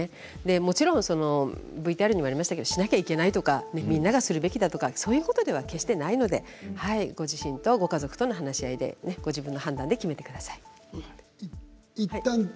もちろんＶＴＲにありましたけどしないといけないとかみんながするべきだということは決してないのでご自身とご家族との話し合いでご自分の判断で決めてください。